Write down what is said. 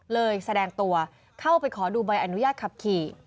แสดงตัวเข้าไปขอดูใบอนุญาตขับขี่